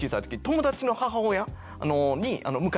友達の母親？